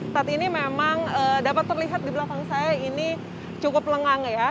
saat ini memang dapat terlihat di belakang saya ini cukup lengang ya